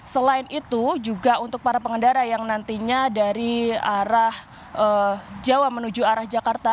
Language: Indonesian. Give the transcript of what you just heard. selain itu juga untuk para pengendara yang nantinya dari arah jawa menuju arah jakarta